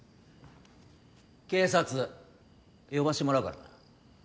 警察呼ばせてもらうからな。